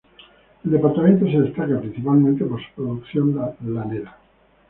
El departamento se destaca principalmente por su producción lanera.